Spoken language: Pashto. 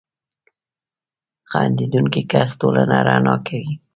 • خندېدونکی کس ټولنه رڼا کوي.